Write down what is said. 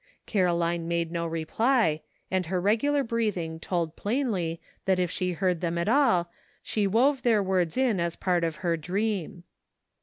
Caroline made no reply, and her regular breathing told plainly that if she heard them at all she wove their words in as part of her dream.